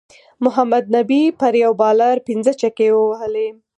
محمد نبی پر یو بالر پنځه چکی ووهلی